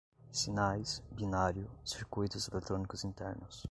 sinais, binário, circuitos eletrônicos internos